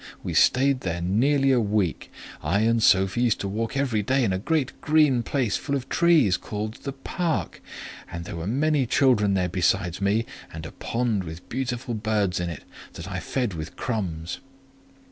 We stayed there nearly a week: I and Sophie used to walk every day in a great green place full of trees, called the Park; and there were many children there besides me, and a pond with beautiful birds in it, that I fed with crumbs."